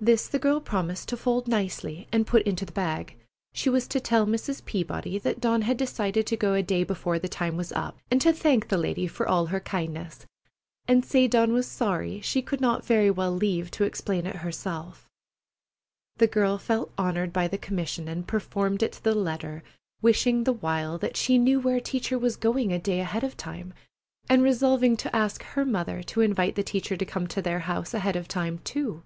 This the girl promised to fold nicely and put into the bag. She was to tell Mrs. Peabody that Dawn had decided to go a day before the time was up, and to thank the lady for all her kindness, and say Dawn was sorry she could not very well leave to explain it herself. The girl felt honored by the commission, and performed it to the letter, wishing the while that she knew where Teacher was going a day ahead of time, and resolving to ask her mother to invite the teacher to come to their house ahead of time, too.